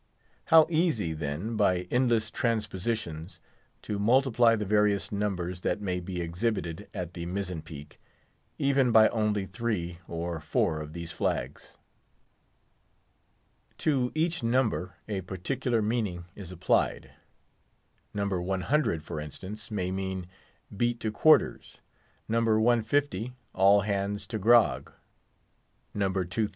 How easy, then, by endless transpositions, to multiply the various numbers that may be exhibited at the mizzen peak, even by only three or four of these flags. To each number a particular meaning is applied. No. 100, for instance, may mean, "Beat to quarters." No. 150, "All hands to grog." No.